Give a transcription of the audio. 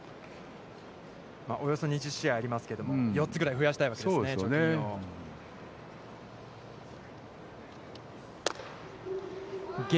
およそ２０試合ありますけれども、４つぐらい増やしたいわけですね、貯金を。